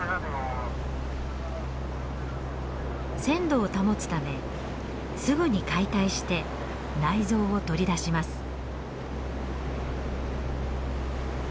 鮮度を保つためすぐに解体して内臓を取り出します。